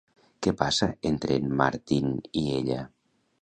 Què passa entre en Martin i ella?